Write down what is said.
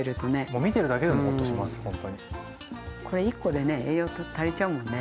これ１個でね栄養足りちゃうもんね。